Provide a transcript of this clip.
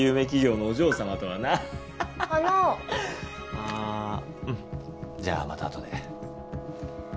あぁうんじゃあまた後で。